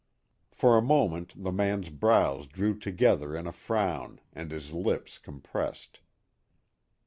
For a moment the man's brows drew together in a frown and his lips compressed.